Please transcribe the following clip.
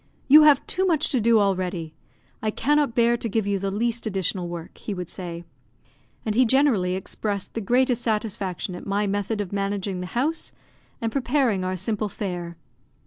"You have too much to do already; I cannot bear to give you the least additional work," he would say. And he generally expressed the greatest satisfaction at my method of managing the house, and preparing our simple fare.